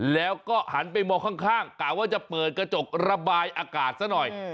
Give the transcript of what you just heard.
แล้วก็หันไปมองข้างกะว่าจะเปิดกระจกระบายอากาศซะหน่อย